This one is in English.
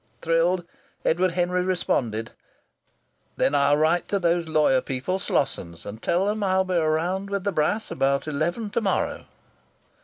Thrilled, Edward Henry responded: "Then I'll write to those lawyer people, Slossons, and tell 'em I'll be around with the brass about eleven to morrow."